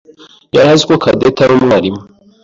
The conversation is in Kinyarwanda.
yari azi ko Cadette yari umwarimu.